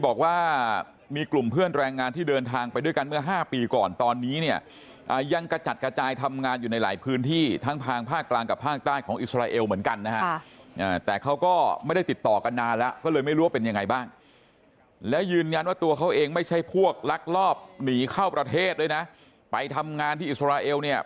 บอกว่ามีกลุ่มเพื่อนแรงงานที่เดินทางไปด้วยกันเมื่อ๕ปีก่อนตอนนี้เนี่ยยังกระจัดกระจายทำงานอยู่ในหลายพื้นที่ทั้งทางภาคกลางกับภาคใต้ของอิสราเอลเหมือนกันนะฮะแต่เขาก็ไม่ได้ติดต่อกันนานแล้วก็เลยไม่รู้ว่าเป็นยังไงบ้างและยืนยันว่าตัวเขาเองไม่ใช่พวกลักลอบหนีเข้าประเทศด้วยนะไปทำงานที่อิสราเอลเนี่ย